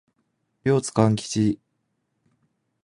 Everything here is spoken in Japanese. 両津勘吉